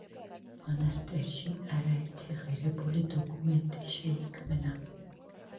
მონასტერში არაერთი ღირებული დოკუმენტი შეიქმნა.